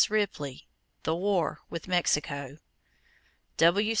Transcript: Ripley, The War with Mexico. W.